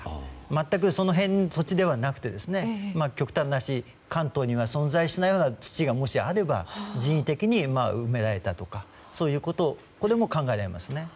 全くその辺の土地ではなく極端な話、関東に存在しない土がもしあれば人為的に埋められたとかそういうことも考えられますね。